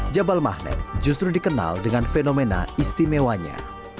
jabal mahnet justru dikenal dengan fenomena istimewanya